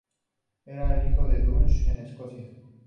Era el hijo de Dubh de Escocia.